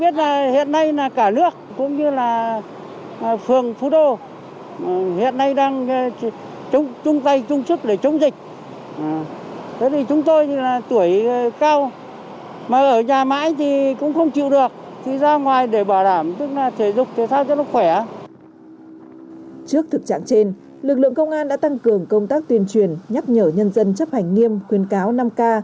trước thực trạng trên lực lượng công an đã tăng cường công tác tuyên truyền nhắc nhở nhân dân chấp hành nghiêm khuyên cáo năm k